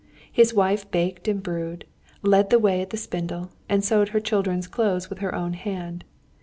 His wife baked and brewed, led the way at the spindle, and sewed her children's clothes with her own hand.